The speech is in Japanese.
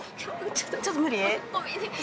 ちょっと無理？